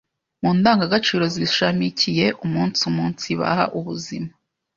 Mu ndangagaciro zishamikiye umunsi umunsibaha ubuzima